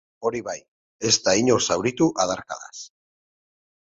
Hori bai, ez da inor zauritu adarkadaz.